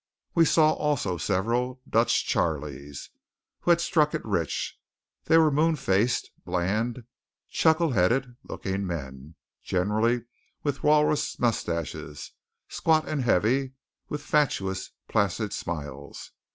We saw, also, several "Dutch Charleys" who had struck it rich. They were moon faced, bland, chuckle headed looking men, generally with walrus moustaches, squat and heavy, with fatuous, placid smiles.